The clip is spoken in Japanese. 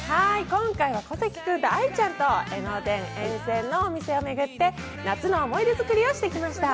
今回は小関君と愛ちゃんと江ノ電を巡り夏の思い出作りをしてきました。